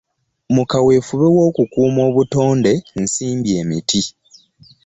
Mu kaweefube w'okukuuma obutonde nsimbye emiti.